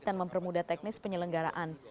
dan mempermudah teknis penyelenggaraan